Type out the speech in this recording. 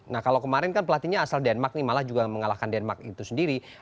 nah kalau kemarin kan pelatihnya asal denmark nih malah juga mengalahkan denmark itu sendiri